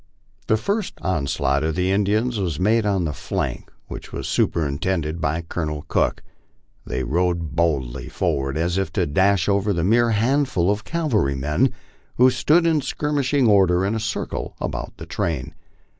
The first onslaught of the Indians was made on the flank which was superin tended by Colonel Cook. They rode boldly forward as if to dash over the mere handful of cavalrymen, who stood in skirmishing order in a circle about the train.